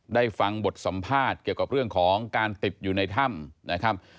ได้ฟังบทสัมภาษณ์เกี่ยวกับเรื่องของการติดอยู่ในถ้ำนะครับ